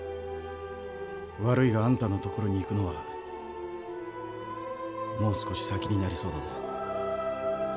悪いがあんたのところに行くのはもう少し先になりそうだぜ。